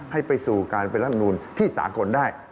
ให้ไปสู่การเป็นรัฐมนูลที่สากลได้